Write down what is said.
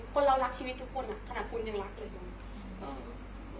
คนเรารักชีวิตทุกคนขนาดคุณยังรักเลยคุณ